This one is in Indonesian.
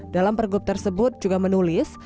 dalam pergub tersebut juga menulis